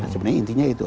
sebenarnya intinya itu